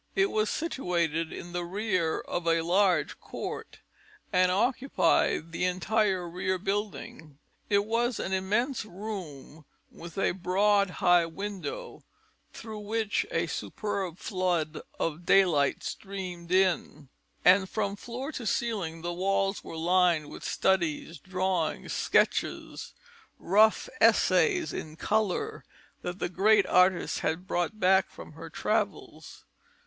It was situated in the rear of a large court, and occupied the entire rear building. It was an immense room, with a broad, high window, through which a superb flood of daylight streamed in; and from floor to ceiling the walls were lined with studies, drawings, sketches, rough essays in colour, that the great artist had brought back from her travels.